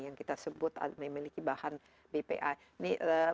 yang kita sebut memiliki bahan bpi